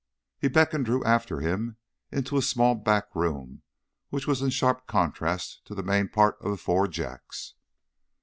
He beckoned Drew after him into a small back room which was in sharp contrast to the main part of the Four Jacks.